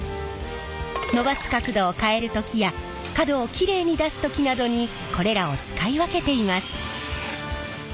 伸ばす角度を変える時や角をきれいに出す時などにこれらを使い分けています。